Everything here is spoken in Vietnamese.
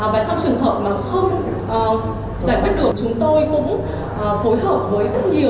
và trong trường hợp mà không giải quyết được chúng tôi cũng phối hợp với rất nhiều